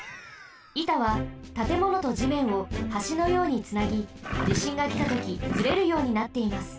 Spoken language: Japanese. いたはたてものとじめんをはしのようにつなぎじしんがきたときずれるようになっています。